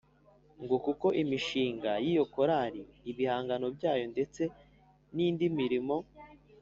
ngo kuko imishinga y'iyo korali, ibihangano byayo ndetse n'indi mirimo